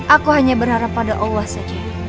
aku hanya berharap pada allah saja